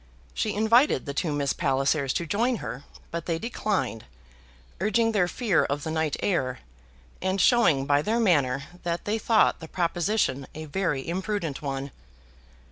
She invited the two Miss Pallisers to join her, but they declined, urging their fear of the night air, and showing by their manner that they thought the proposition a very imprudent one.